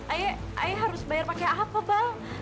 ayo ayah harus bayar pakai apa bang